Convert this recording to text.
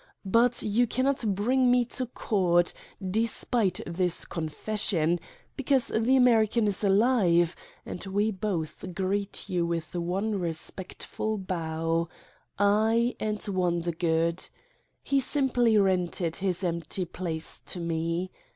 But you cannot bring me to court despite this confession, because the American is ALIVE, and we both greet you with one respectful bow : I and Wonder good. He simply rented his empty place to me.